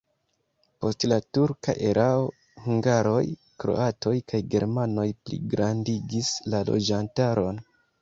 Post la turka erao hungaroj, kroatoj kaj germanoj pligrandigis la loĝantaron.